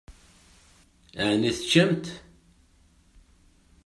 Ɛni teččamt?